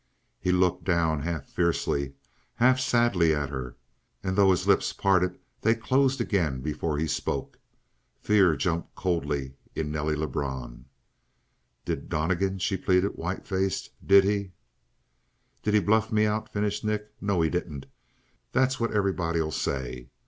He looked down half fiercely, half sadly at her. And though his lips parted they closed again before he spoke. Fear jumped coldly in Nelly Lebrun. "Did Donnegan " she pleaded, white faced. "Did he " "Did he bluff me out?" finished Nick. "No, he didn't. That's what everybody'll say.